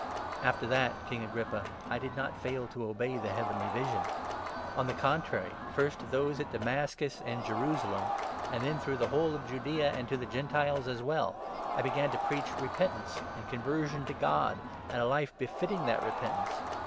After that, King Agrippa, I did not fail to 19 obey the heavenly vision ; on the contrary, first to those at 20 Damascus and Jerusalem, and then through the whole of Judaea, and to the Gentiles as well, I began to preach repent ance and conversion to God, and a life befitting that repentance.